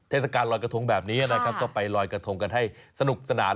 เทศกาลลอยกระทงแบบนี้นะครับก็ไปลอยกระทงกันให้สนุกสนาน